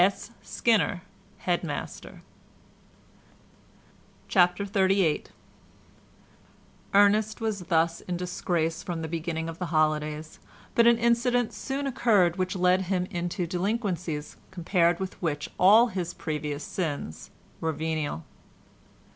S. SKINNER, Head master. CHAPTER XXXVIII Ernest was thus in disgrace from the beginning of the holidays, but an incident soon occurred which led him into delinquencies compared with which all his previous sins were venial.